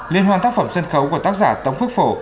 liên hoan tác phẩm sân khấu của tác giả tống phước phổ